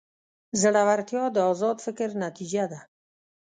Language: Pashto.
زړورتیا د ازاد فکر نتیجه ده.